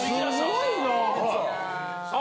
すごいなぁ。